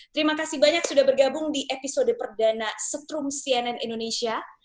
terima kasih banyak sudah bergabung di episode perdana setrum cnn indonesia